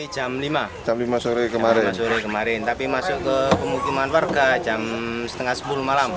jam lima sore kemarin tapi masuk ke pemukiman warga jam setengah sepuluh malam